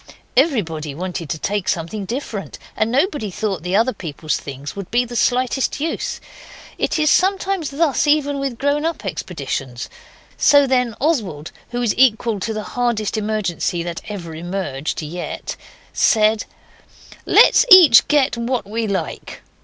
Everybody wanted to take something different, and nobody thought the other people's things would be the slightest use. It is sometimes thus even with grown up expeditions. So then Oswald, who is equal to the hardest emergency that ever emerged yet, said 'Let's each get what we like.